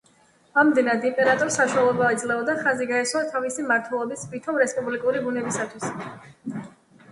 ამდენად, იმპერატორს საშუალება ეძლეოდა ხაზი გაესვა თავისი მმართველობის ვითომ რესპუბლიკური ბუნებისათვის.